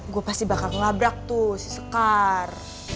gue pasti bakal ngabrak tuh si sekar